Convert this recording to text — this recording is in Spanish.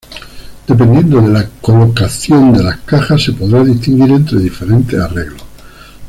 Dependiendo de la colocación de las cajas se podrá distinguir entre diferentes arreglos.